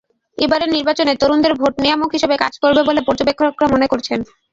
এবারের নির্বাচনে তরুণদের ভোট নিয়ামক হিসেবে কাজ করবে বলে পর্যবেক্ষকেরা মনে করছেন।